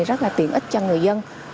rất là tiện ích cho người dân